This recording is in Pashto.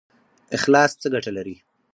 اخلاص څه ګټه لري؟